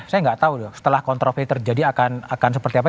saya gak tau setelah kontroversi terjadi akan seperti apa